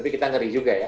tapi kita ngeri juga ya